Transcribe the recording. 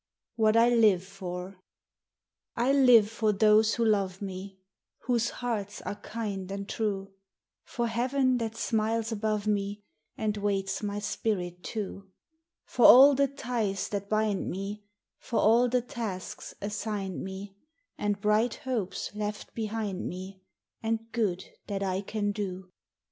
WHAT I LIVE FOR. I live for those who love me, Whose hearts are kind and true, For heaven that smiles above me, And waits my spirit, too; For all the ties that bind me, For all the tasks assigned me, And bright hopes left behind me, And good that I can do.